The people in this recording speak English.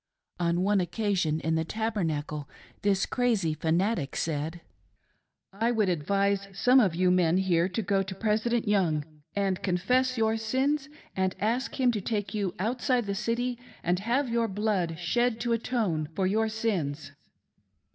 On one occasion, in the Tabernacle, this crazy fanatic said :— "I would advise some of you men here to go to President Young, and confess gl6 THK BLOOD OF OFFENDERS tO BE SHED. your sips, and ask him to take you outside the city and have your blood shed to atone for your sins."